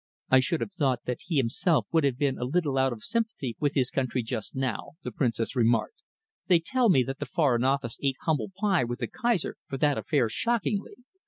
"I should have thought that he himself would have been a little out of sympathy with his country just now," the Princess remarked. "They tell me that the Foreign Office ate humble pie with the Kaiser for that affair shockingly.